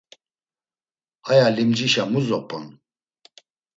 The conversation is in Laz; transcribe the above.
Aya limcişa mu zop̌on?